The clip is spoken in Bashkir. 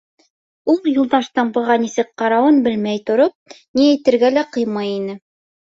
Ул, Юлдаштың быға нисек ҡарауын белмәй тороп, ни әйтергә лә ҡыймай ине.